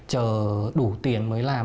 chờ đủ tiền mới làm